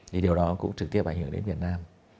thì điều đó cũng trực tiếp ảnh hưởng đến việt nam